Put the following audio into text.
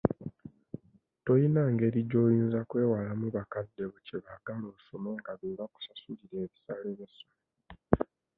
Toyina ngeri gy'oyinza kwewalamu bakadde bo kye baagala osome nga be bakusasulira ebisale ky'essomero.